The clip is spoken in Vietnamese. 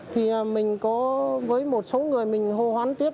thì mình có với một số người mình hô hoán tiếp